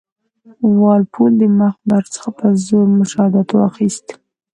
وال پول د مخبر څخه په زور شهادت واخیست.